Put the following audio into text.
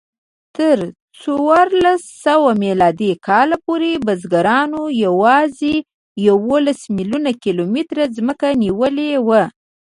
تر څوارلسسوه میلادي کال پورې بزګرانو یواځې یوولس میلیونه کیلومتره ځمکه نیولې وه.